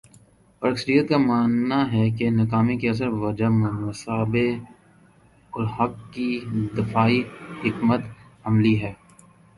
اور اکثریت کا ماننا ہے کہ ناکامی کی اصل وجہ مصباح الحق کی دفاعی حکمت عملی ہے